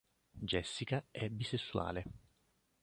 Jessica è bisessuale.